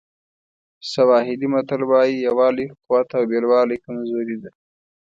سواهیلي متل وایي یووالی قوت او بېلوالی کمزوري ده.